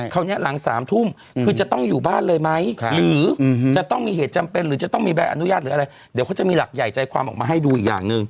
คราวนี้หลัง๓ทุ่มคือจะต้องอยู่บ้านเลยไหมหรือจะต้องมีเหตุจำเป็นหรือจะต้องมีใบอนุญาตหรืออะไรเดี๋ยวเขาจะมีหลักใหญ่ใจความออกมาให้ดูอีกอย่างหนึ่ง